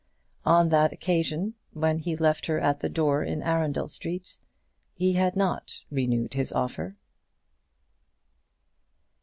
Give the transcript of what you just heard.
On that occasion, when he left her at the door in Arundel Street, he had not renewed his offer.